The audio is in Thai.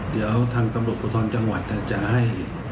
เดี๋ยวทางตำรวจภูทรจังหวัดจะให้